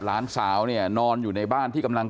หลานสาวเนี่ยนอนอยู่ในบ้านที่กำลัง